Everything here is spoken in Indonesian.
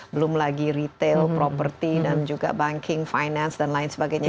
belum lagi retail property dan juga banking finance dan lain sebagainya